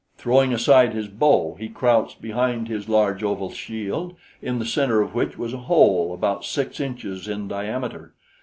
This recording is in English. Throwing aside his bow, he crouched behind his large oval shield, in the center of which was a hole about six inches in diameter.